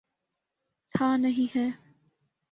تھا، نہیں ہے۔